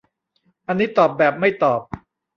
อันนี้ตอบแบบไม่ตอบ